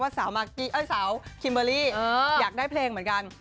สาวมากสาวคิมเบอร์รี่อยากได้เพลงเหมือนกัน